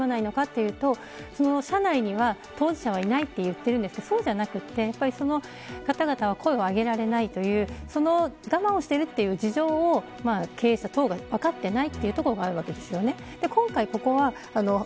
何で取り組まないのかというと社内には当事者はいないと言っていますがそうじゃなくてその方々は声を上げられないという我慢をしているという事情を経営者などが分かっていないというのがあります。